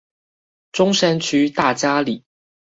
中山區大佳里